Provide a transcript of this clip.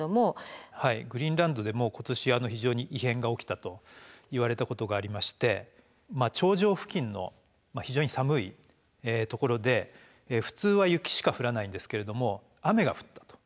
グリーンランドでも今年非常に異変が起きたといわれたことがありまして頂上付近の非常に寒いところで普通は雪しか降らないんですけれども雨が降ったと。